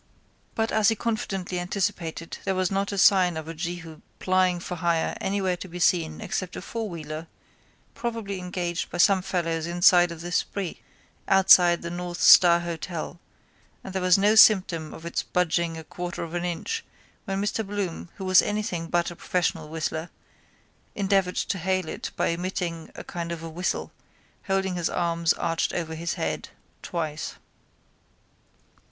But as he confidently anticipated there was not a sign of a Jehu plying for hire anywhere to be seen except a fourwheeler, probably engaged by some fellows inside on the spree, outside the North Star hotel and there was no symptom of its budging a quarter of an inch when Mr Bloom, who was anything but a professional whistler, endeavoured to hail it by emitting a kind of a whistle, holding his arms arched over his head, twice.